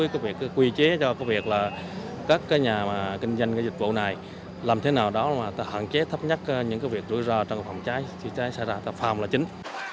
có việc quy chế cho các nhà kinh doanh dịch vụ này làm thế nào đó mà hạn chế thấp nhất những việc rủi ro trong phòng cháy chữa cháy xảy ra tập phòng là chính